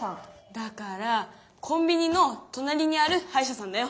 だからコンビニのとなりにあるはいしゃさんだよ。